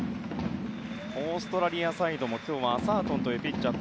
オーストラリアサイドも今日はアサートンというピッチャー。